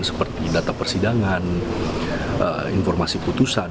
seperti data persidangan informasi putusan